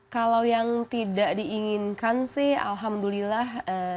kalau yang tidak diinginkan sih alhamdulillah